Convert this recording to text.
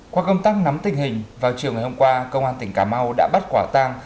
qua công tác nắm tình hình vào chiều ngày hôm qua công an tỉnh cà mau đã bắt quả tang